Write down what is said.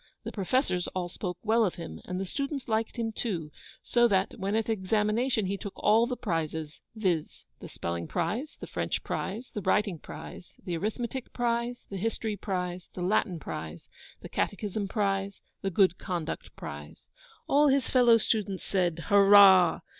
The Professors all spoke well of him, and the students liked him too; so that, when at examination, he took all the prizes, viz. {The Spelling Prize {The French Prize {The Writing Prize {The Arithmetic Prize {The History Prize {The Latin Prize {The Catechism Prize {The Good Conduct Prize, all his fellow students said, 'Hurrah!